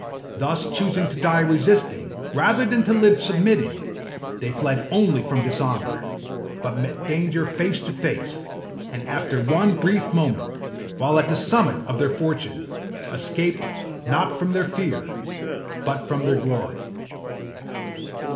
Thus choosing to die resisting, rather than to live submitting, they fled only from dishonour, but met danger face to face, and after one brief moment, while at the summit of their fortune, escaped, not from their fear, but from their glory.